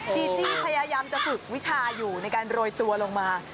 จีจี้พยายามจะฝึกวิชาอยู่ในการโรยตัวลงมา